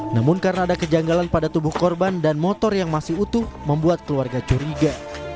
namun karena ada kejanggalan pada tubuh korban dan motor yang masih utuh membuat keluarga curiga